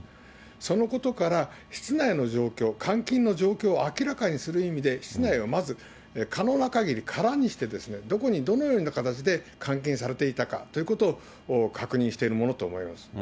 そのことから、室内の状況、監禁の状況を明らかにする意味で、室内をまず可能なかぎり空にして、どこにどのような形で監禁されていたかということを確認しているものと思います。